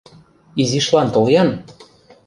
— Изишлан тол-ян!